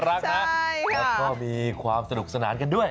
แล้วก็มีความสนุกสนานกันด้วย